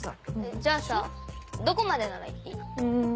じゃあさどこまでなら言っていい？